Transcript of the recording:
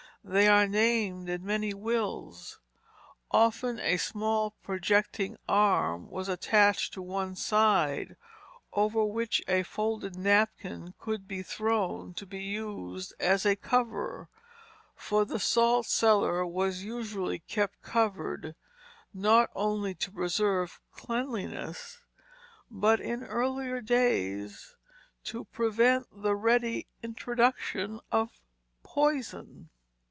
They are named in many wills. Often a small projecting arm was attached to one side, over which a folded napkin could be thrown to be used as a cover; for the salt cellar was usually kept covered, not only to preserve cleanliness, but in earlier days to prevent the ready introduction of poison.